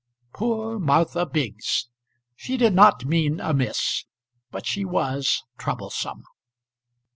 Poor Martha Biggs! She did not mean amiss; but she was troublesome.